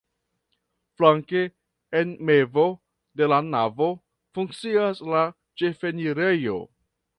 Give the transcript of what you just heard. Flanke en mezo de la navo funkcias la ĉefenirejo.